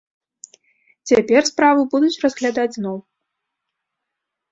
Цяпер справу будуць разглядаць зноў.